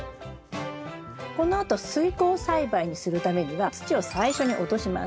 このあと水耕栽培にするためには土を最初に落とします。